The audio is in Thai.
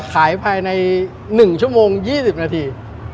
ภายใน๑ชั่วโมง๒๐นาที